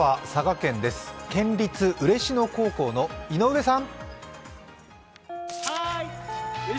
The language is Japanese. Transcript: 県立嬉野高校の井上さん！